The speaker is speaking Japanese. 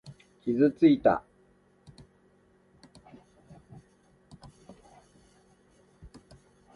傷ついた。